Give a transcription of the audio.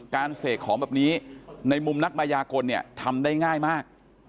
เสกของแบบนี้ในมุมนักมายากลเนี่ยทำได้ง่ายมาก